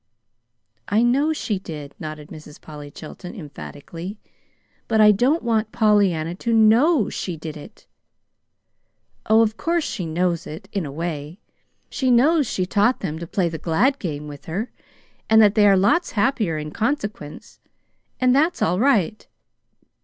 "I know she did," nodded Mrs. Polly Chilton, emphatically. "But I don't want Pollyanna to know she did it! Oh, of course she knows it, in a way. She knows she taught them to play the glad game with her, and that they are lots happier in consequence. And that's all right.